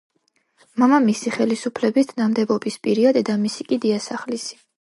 მამამისი ხელისუფლების თანამდებობის პირია დედამისი კი დიასახლისი.